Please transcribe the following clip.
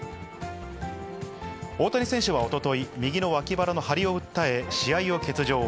大谷選手はおととい、右の脇腹の張りを訴え、試合を欠場。